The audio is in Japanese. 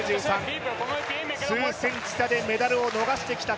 数センチ差でメダルを逃してきま